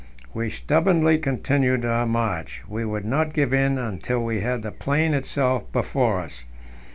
We stubbornly continued our march; we would not give in until we had the plain itself before us.